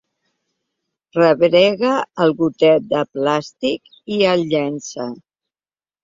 Rebrega el gotet de plàstic i el llença.